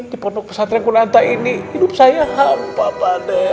di pondok pesantren kunanta ini hidup saya hampa pada